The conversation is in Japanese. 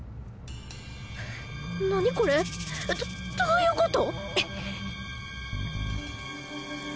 何これどういうこと？